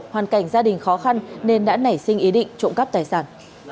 hoàn cảnh gia đình khó khăn nên đã nảy sinh ý định trộm cắp tài sản